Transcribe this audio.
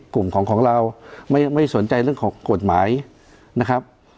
กลุ่มของของเราไม่สนใจเรื่องของกฎหมายนะครับ